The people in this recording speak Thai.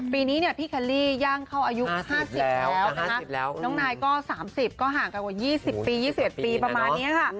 ปีนี้พี่เคลลี่ยังเข้าอายุ๕๐แล้วน้องนายก็๓๐ก็ห่างกันกว่า๒๐ปีประมาณนี้ค่ะ